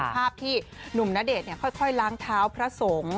ภาพที่หนุ่มณเดชน์ค่อยล้างเท้าพระสงฆ์